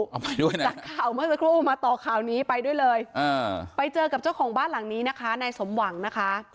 เอาไปด้วยนะจากข่าวเมื่อสักครู่มาต่อข่าวนี้ไปด้วยเลยไปเจอกับเจ้าของบ้านหลังนี้นะคะนายสมหวังนะคะ